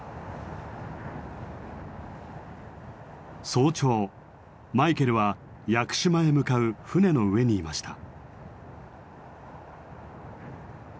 早朝マイケルは屋久島へ向かう船の上にいました。